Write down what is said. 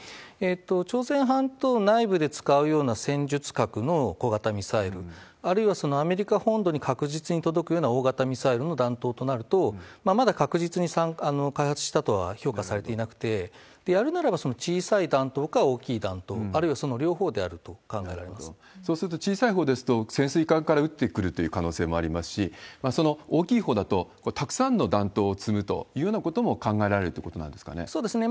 朝鮮半島内部で使うような戦術核の小型ミサイル、あるいはアメリカ本土に確実に届くような大型ミサイルの弾頭となると、まだ確実に開発したとは評価されていなくて、やるならば小さい弾頭か大きい弾頭、あるいはその両方であると考そうすると、小さいほうですと、潜水艦から撃ってくるという可能性もありますし、大きいほうだとたくさんの弾頭を積むというようなことも考えられそうですね。